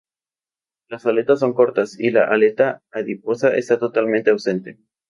Las aletas son cortas y la aleta adiposa está totalmente ausente.